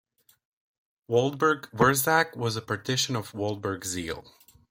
Waldburg-Wurzach was a partition of Waldburg-Zeil.